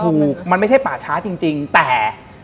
ถูกมันไม่ใช่ป่าช้าจริงแต่